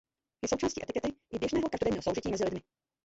Je součástí etikety i běžného každodenního soužití mezi lidmi.